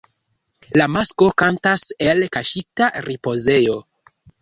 La masklo kantas el kaŝita ripozejo.